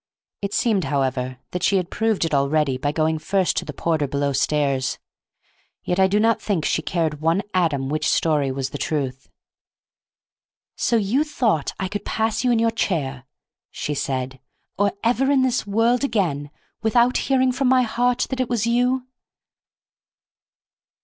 It seemed, however, that she had proved it already by going first to the porter below stairs. Yet I do not think she cared one atom which story was the truth. "So you thought I could pass you in your chair," she said, "or ever in this world again, without hearing from my heart that it was you!"